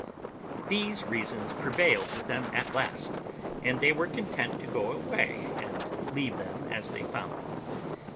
These reasons prevailed with them at last, and they were content to go away, and leave them as they found them.